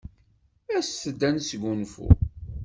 Aset-d ad nesgunfu.